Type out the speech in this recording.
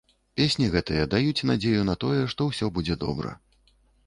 Песні гэтыя даюць надзею на тое, што ўсё будзе добра.